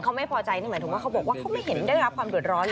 เขาไม่พอใจนี่หมายถึงว่าเขาบอกว่าเขาไม่เห็นได้รับความเดือดร้อน